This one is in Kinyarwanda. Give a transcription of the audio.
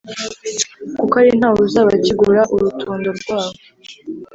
kuko ari nta wuzaba akigura urutundo rwabo,